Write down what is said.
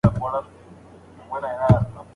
بریالیتوب د علم او پوهې په ترلاسه کولو کې دی.